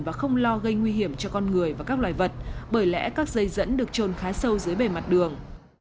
và không lo gây nguy hiểm cho con người và các loài vật bởi lẽ các dây dẫn được trôn khá sâu dưới bề mặt đường